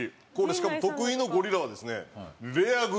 しかも徳井のゴリラはですね。